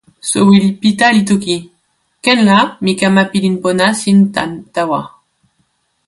"soweli Pita li toki: "ken la, mi kama pilin pona sin tan tawa."